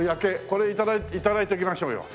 これ頂いておきましょうよ。